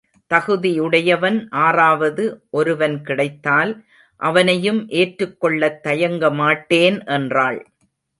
தகுதியுடையவன் ஆறாவது ஒருவன் கிடைத்தால் அவனையும் ஏற்றுக் கொள்ளத் தயங்கமாட்டேன் என்றாள்.